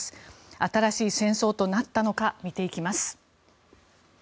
新しい戦争となったのか見ていきます。